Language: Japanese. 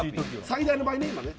最大の場合ね